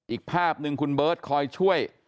อีกภาพหนึ่งคุณเบิร์ตคอยช่วย